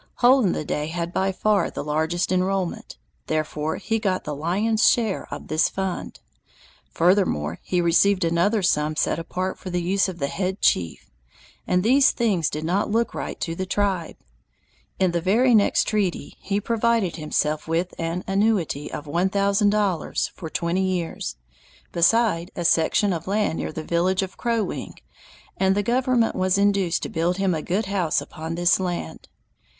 Hole in the Day had by far the largest enrollment, therefore he got the lion's share of this fund. Furthermore he received another sum set apart for the use of the "head chief", and these things did not look right to the tribe. In the very next treaty he provided himself with an annuity of one thousand dollars for twenty years, beside a section of land near the village of Crow Wing, and the government was induced to build him a good house upon this land.